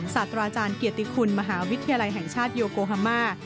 ศาสตราอาจารย์เกียรติคุณมหาวิทยาลัยแห่งชาติโยโกฮามา